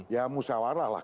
ya musyawarah lah